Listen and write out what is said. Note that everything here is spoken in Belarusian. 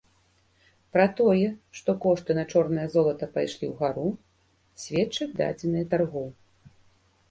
Пра тое, што кошты на чорнае золата пайшлі ў гару, сведчаць дадзеныя таргоў.